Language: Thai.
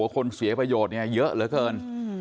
คนเสียประโยชน์เนี่ยเยอะเหลือเกิน